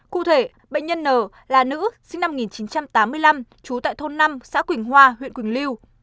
cụ thể bệnh nhân n là nữ sinh năm một nghìn chín trăm tám mươi năm trú tại thôn năm xã quỳnh hoa huyện quỳnh lưu